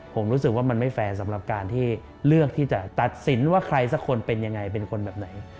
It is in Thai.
ผมรู้สึกว่ามันไม่แฟร์สำหรับการที่เลือกที่จะตัดสินว่าใครสักคนเป็นยังไงเป็นคนแบบไหน